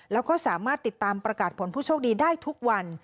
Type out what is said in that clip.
แล้วก็สามารถติดตามประกาศผลผู้โชคดีได้ทุกวัน